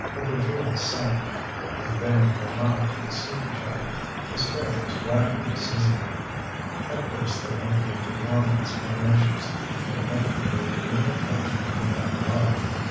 But their joy sank. In vain they laughed to deceive each other; despair was gradually seizing them. At first they entered into long explanations; evidently they were being approached from Réquillart.